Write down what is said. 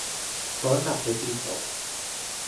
Bon appetito!